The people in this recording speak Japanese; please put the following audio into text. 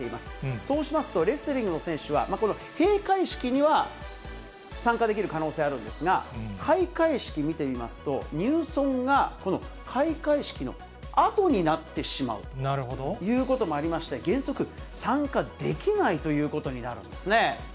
そうしますと、レスリングの選手は、この閉会式には参加できる可能性あるんですが、開会式、見てみますと、入村がこの開会式のあとになってしまうということもありまして、原則参加できないということになるんですね。